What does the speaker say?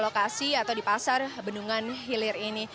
untuk memperbaiki kekuatan penduduk di pasar benungan hilir ini